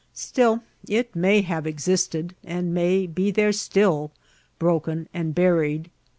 Still it may have existed, and may be there still, broken and buried.